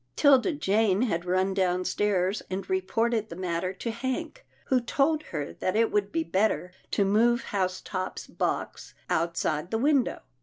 'Tilda Jane had run downstairs and reported the matter to Hank, who told her that it would be better to move Housetop's box outside the win dow.